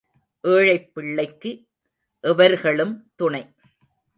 ஏழைப் பிள்ளைக்கு எவர்களும் துணை.